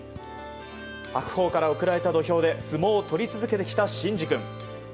白鵬から贈られた土俵で相撲を取り続けてきた真士君。